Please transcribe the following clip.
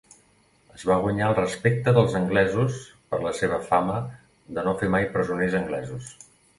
Es va guanyar el respecte dels anglesos per la seva fama de no fer mai presoners anglesos.